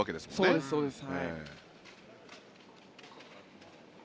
そうですそうです。